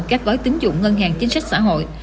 các gói tính dụng ngân hàng chính sách xã hội